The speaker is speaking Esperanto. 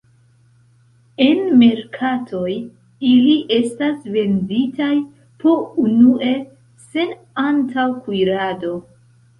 En merkatoj, ili estas venditaj po unue, sen antaŭ-kuirado.